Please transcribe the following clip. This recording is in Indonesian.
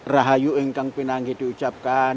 rahayu ingkang pinanggi di ucapkan